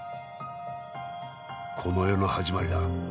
この世の始まりだ。